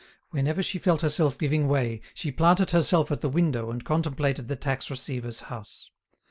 Whenever she felt herself giving way, she planted herself at the window and contemplated the tax receiver's house.